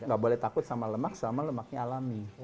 gak boleh takut sama lemak sama lemaknya alami